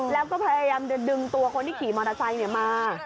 แล้วก็พยายามจะดึงตัวคนที่ขี่มอเตอร์ไซค์มา